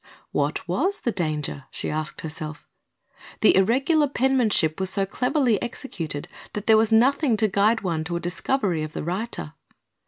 What was the danger? she asked herself. The irregular penmanship was so cleverly executed that there was nothing to guide one to a discovery of the writer.